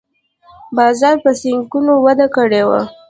بازار په سیکانو وده کړې وه